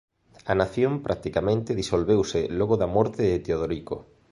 A nación practicamente disolveuse logo da morte de Teodorico.